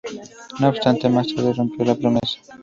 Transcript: No obstante, más tarde rompió la promesa.